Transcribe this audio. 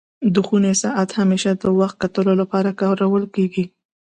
د خوني ساعت همېشه د وخت کتلو لپاره کارول کيږي.